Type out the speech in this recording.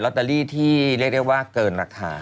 ตเตอรี่ที่เรียกได้ว่าเกินราคา